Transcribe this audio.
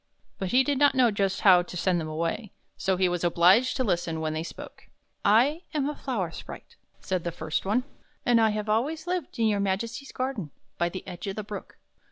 But he did not know just how to send them away; so he was obliged to listen when they spoke. " I am a flower sprite," said the first one, " and have always lived in your Majesty's garden, by the edge of the Brook.